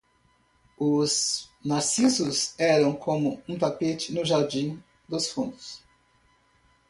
Os narcisos eram como um tapete no jardim dos fundos.